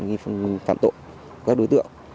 như phạm tội các đối tượng